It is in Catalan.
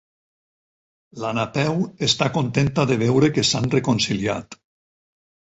La Napeu està contenta de veure que s'han reconciliat.